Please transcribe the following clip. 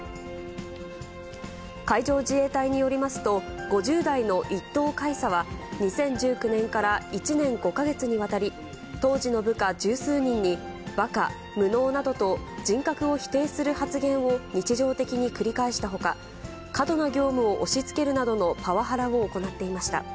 海上自衛隊によりますと、５０代の１等海佐は、２０１９年から１年５か月にわたり、当時の部下十数人に、ばか、無能などと人格を否定する発言を日常的に繰り返したほか、過度な業務を押しつけるなどのパワハラを行っていました。